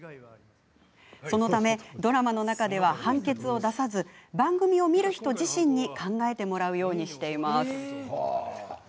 そのため、ドラマの中では判決を出さず番組を見る人自身に考えてもらうようにしています。